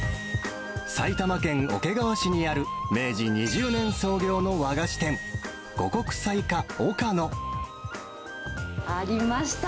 埼玉県桶川市にある明治２０年創業の和菓子店、ありました。